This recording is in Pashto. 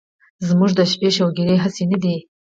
زمونږ د شپې شوګيرې هسې نه دي